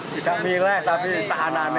tidak milih tapi seananel